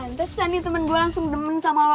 antesa nih temen gue langsung demen sama lo